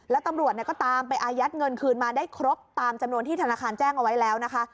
แล้วตำรวจก็ตามไปอายัดเงินคืนมาได้ครบตามจำนวนที่ธนาคารแจ้งเอาไว้แล้วนะคะ